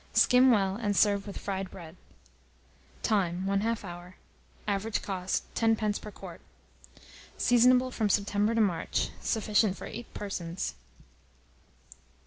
Skim well, and serve with fried bread. Time. 1/2 hour. Average cost, 10d. per quart. Seasonable from September to March. Sufficient for 8 persons.